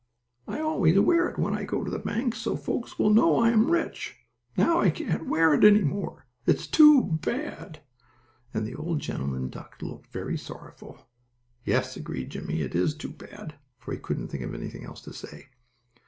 I always wear it when I go to the bank, so folks will know I am rich. Now I can't wear it any more. It's too bad!" And the old gentleman duck looked very sorrowful. "Yes," agreed Jimmie, "it is too bad," for he couldn't think of anything else to say.